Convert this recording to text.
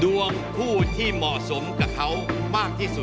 ดวงผู้ที่เหมาะสมกับเขามากที่สุด